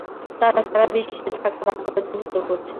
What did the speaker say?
তারা সারা বিশ্বে থাকা ভাগ্য চিহ্নিত করছে।